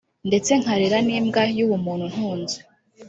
ndetse nkarera n’imbwa y’uwo muntu untunze